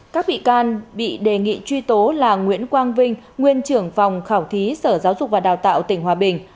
các bị can bị đề nghị truy tố là nguyễn quang vinh nguyên trưởng phòng khảo thí sở giáo dục và đào tạo tỉnh hòa bình